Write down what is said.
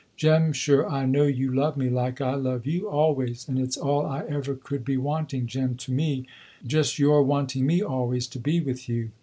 Jem sure I know you love me like I love you always, and its all I ever could be wanting Jem to me, just your wanting me always to be with you.